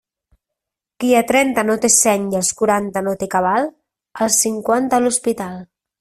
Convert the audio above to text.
Qui a trenta no té seny i als quaranta no té cabal, als cinquanta a l'hospital.